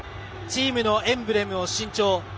チームのエンブレムを新調。